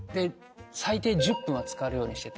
最低１０分は浸かるようにしてて。